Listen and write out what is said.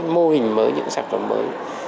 mô hình mới những sản phẩm mới